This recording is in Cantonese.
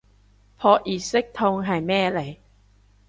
撲熱息痛係咩嚟